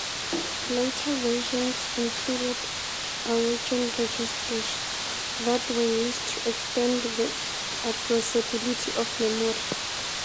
Later versions included "origin registers" that were used to extend the addressability of memory.